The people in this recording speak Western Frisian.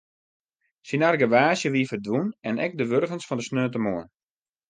Syn argewaasje wie ferdwûn en ek de wurgens fan de saterdeitemoarn.